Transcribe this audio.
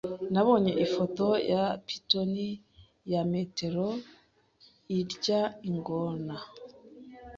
Nabonye ifoto ya python ya metero irya ingona.